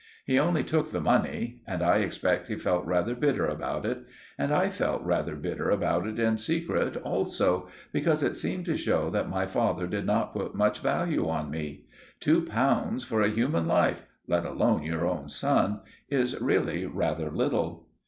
He only took the money; and I expect he felt rather bitter about it; and I felt rather bitter about it in secret also; because it seemed to show that my father did not put much value on me. Two pounds for a human life—let alone your own son—is really rather little.